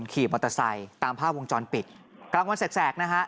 ขี่มอเตอร์ไซค์ตามภาพวงจรปิดกลางวันแสกนะฮะ